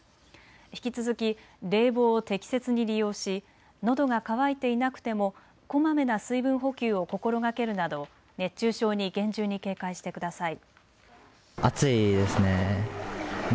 引き続き冷房を適切に利用しのどが渇いていなくてもこまめな水分補給を心がけるなど熱中症に厳重に警戒してください。